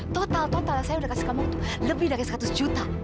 total total saya udah kasih kamu tuh lebih dari seratus juta